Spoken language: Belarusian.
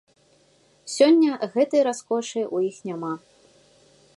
Сёння гэтай раскошы ў іх няма.